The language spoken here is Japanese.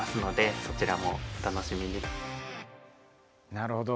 なるほど。